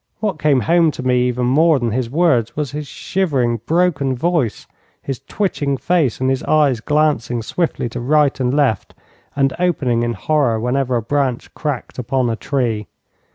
What came home to me even more than his words was his shivering, broken voice, his twitching face, and his eyes glancing swiftly to right and left, and opening in horror whenever a branch cracked upon a tree.